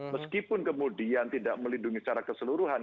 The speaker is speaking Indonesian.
meskipun kemudian tidak melindungi secara keseluruhan